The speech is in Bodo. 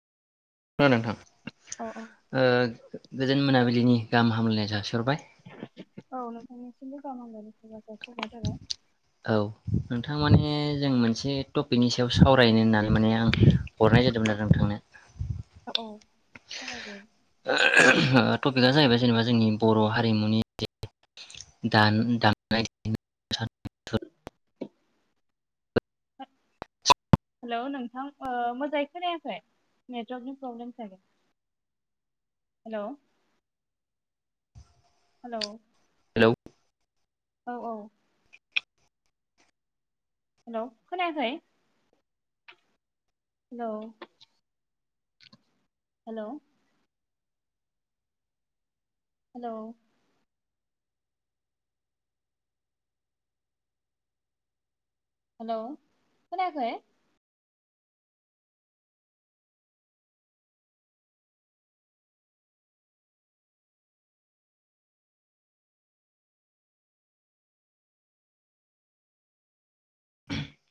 ना नोंथां औ औ ओ गोजोन मोनाबिलिनि गाहाम हामलायनाय जासिहरबाय औ नोंथांनिसिमबो गाहाम हामलायनायखौ जा जासि हरनाय जाबाय औ नोंथां माने जों मोनसे टपिकनि सायाव सावरायनो होननानै माने आं हरनाय जादोंमोन आरो नोंथांनो औ औ खोनादों [unintelligible] टपिकआ जाहैबाय जेनेबा जोंनि बर' हारिमुनि [unintelligible] दान [unintelligible] [inaudible] हेल' नोंथां ओ मोजाङै खोनायाखै नेटवरकनि प्रब्लेम सागे हेलौ हेलौ औ [unintelligible] औ औ हेल' खोनायाखै हेल' हेल' हेल' हेल' खोनायाखै